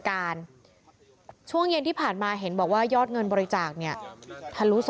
การช่วงเย็นที่ผ่านมาเห็นบอกว่ายอดเงินบริจาคเนี่ยทะลุ๒